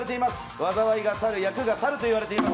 災いが去る、厄が去ると言われています。